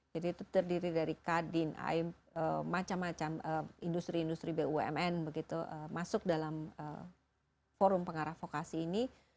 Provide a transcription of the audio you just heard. jadi itu terdiri dari kadin macam macam industri industri bumn masuk dalam forum pengarah vokasi ini